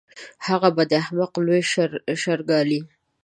هغه به د احمق لوی شر ګالي.